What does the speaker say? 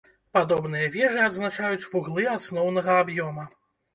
Падобныя вежы адзначаюць вуглы асноўнага аб'ёма.